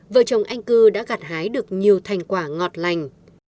vợ chồng anh cư đã gạt hái được nhiều thành quả ngọt lành